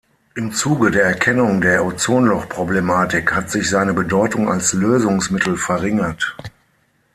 Im Zuge der Erkennung der Ozonloch-Problematik hat sich seine Bedeutung als Lösungsmittel verringert.